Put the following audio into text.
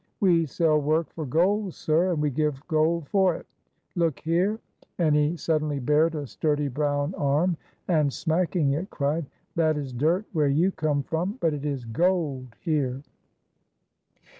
We sell work for gold, sir, and we give gold for it; look here!" and he suddenly bared a sturdy brown arm, and, smacking it, cried, "That is dirt where you come from, but it is gold here."